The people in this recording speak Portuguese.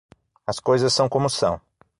As coisas são como são.